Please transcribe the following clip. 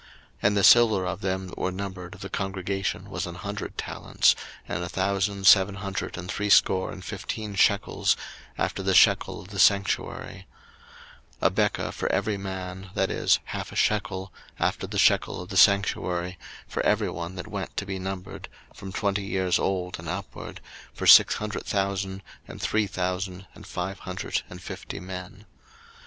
02:038:025 And the silver of them that were numbered of the congregation was an hundred talents, and a thousand seven hundred and threescore and fifteen shekels, after the shekel of the sanctuary: 02:038:026 A bekah for every man, that is, half a shekel, after the shekel of the sanctuary, for every one that went to be numbered, from twenty years old and upward, for six hundred thousand and three thousand and five hundred and fifty men.